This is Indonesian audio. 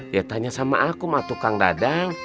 ya tanya sama aku matukang dadang